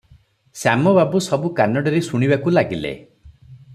ଶ୍ୟାମ ବାବୁ ସବୁ କାନ ଡେରି ଶୁଣିବାକୁ ଲାଗିଲେ ।